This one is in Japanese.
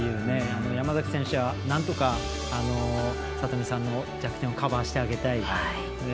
山崎選手はなんとか里見さんの弱点をカバーしてあげたい。